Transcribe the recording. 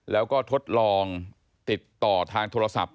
แล้วก็ทดลองติดต่อทางโทรศัพท์